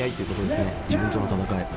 自分との闘い。